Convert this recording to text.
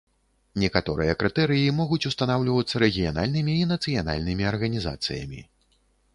Некаторыя крытэрыі могуць устанаўлівацца рэгіянальнымі і нацыянальнымі арганізацыямі.